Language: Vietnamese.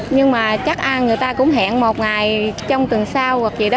nhưng mà chắc à người ta cũng hẹn một ngày trong tuần sau hoặc gì đó